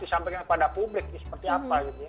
disampaikan kepada publik seperti apa